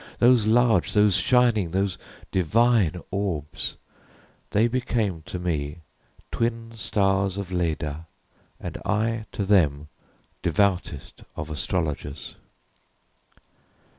those large, those shining, those divine orbs! they became to me twin stars of Leda, and I to them devoutest of astrologers.